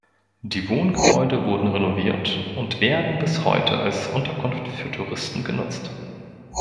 Die Wohngebäude wurden renoviert und werden bis heute als Unterkunft für Touristen genutzt.